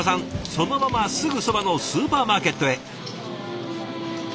そのまますぐそばのスーパーマーケットへ。